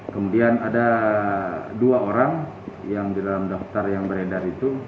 kemudian ada dua orang yang di dalam daftar yang beredar itu